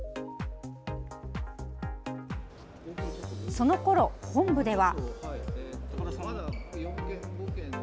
そのころ本部では。